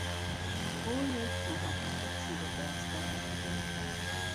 او یک محقق چیرهدست در ادبیات است